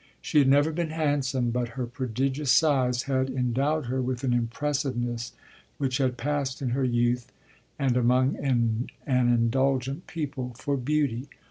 She had never been handsome, but her prodigious size had endowed her with an impressiveness which had passed in her youth, and among an indulgent people, for beauty.